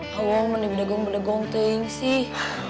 abah mah mending bedegong bedegongin sih